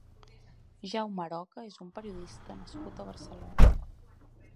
Jaume Aroca és un periodista nascut a Barcelona.